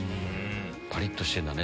パリっとしてんだね。